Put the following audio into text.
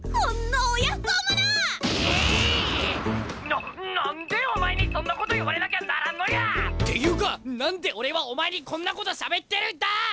な何でお前にそんなこと言われなきゃならんのや！？っていうか何で俺はお前にこんなことしゃべってるんだ！